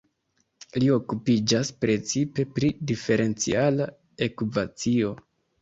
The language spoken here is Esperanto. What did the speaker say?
Li okupiĝas precipe pri diferenciala ekvacio.